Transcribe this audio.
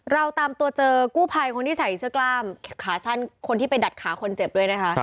เราตามตัวเจอกู้ภัยคนที่ใส่เสื้อกล้ามขาสั้นคนที่ไปดัดขาคนเจ็บด้วยนะคะ